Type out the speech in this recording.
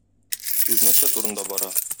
Сүз нәрсә турында бара?